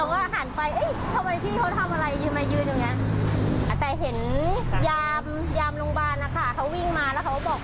หนูก็ไม่รู้ว่าเขาติดหรือเปล่าเพราะอยู่ดีเขาก็วิ่งมานอนเลย